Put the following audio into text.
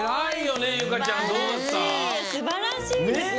すばらしいです。